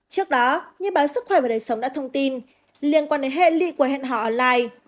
trước đó như báo sức khỏe và đời sống đã thông tin liên quan đến hệ lì quầy hẹn hò online